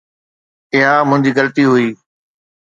اها منهنجي غلطي هئي